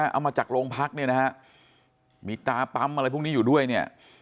เอามาจากโรงพักเนี่ยนะฮะมีตาปั๊มอะไรพวกนี้อยู่ด้วยเนี่ย